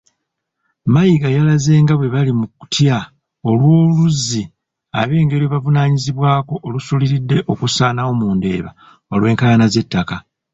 Mayiga yalaze nga bwe bali mu kutya olw’oluzzi ab’Engeye lwe bavunaanyizibwako olusuliridde okusaanawo mu Ndeeba olw’enkayana z’ettaka.